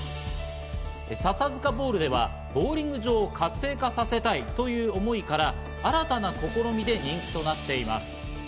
笹塚ボウルではボウリング場を活性化させたいという思いから新たな試みで人気となっています。